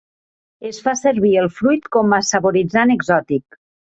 Es fa servir el fruit com a saboritzant exòtic.